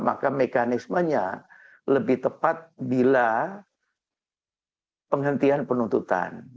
maka mekanismenya lebih tepat bila penghentian penuntutan